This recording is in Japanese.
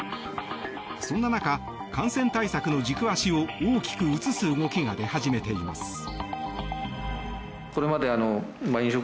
そんな中、感染対策の軸足を大きく移す動きが出始めています。